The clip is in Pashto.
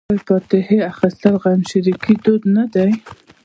آیا فاتحه اخیستل د غمشریکۍ دود نه دی؟